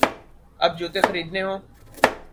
اب جوتے خریدنے ہوں۔